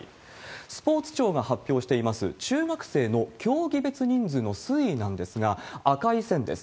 スポーツ庁が発表しています、中学生の競技別人数の推移なんですが、赤い線です。